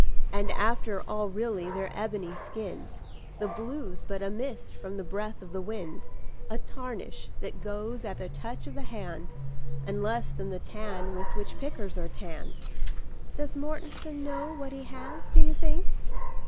And after all really they're ebony skinned: The blue's but a mist from the breath of the wind, A tarnish that goes at a touch of the hand, And less than the tan with which pickers are tanned." "Does Mortenson know what he has, do you think?"